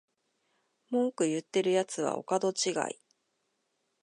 文句言ってるやつはお門違い